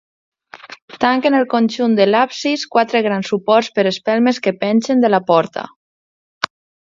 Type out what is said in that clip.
Tanquen el conjunt de l'absis quatre grans suports per espelmes que pengen de la volta.